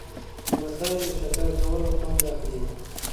لمسی له شکر کولو خوند اخلي.